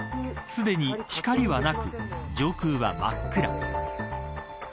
すでに光はなく上空は真っ暗。